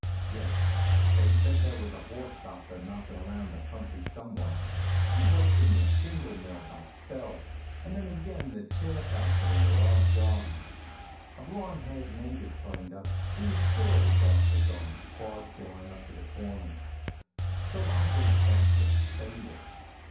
Yes, they said there was a horse doctor knockin' around the country somewhere. He worked in the shingle mill by spells, and then again in the chair factory, or did odd jobs. A blond haired native turned up who was sure the Doc had gone hog killin' up to the corners. So I goes back to the stable.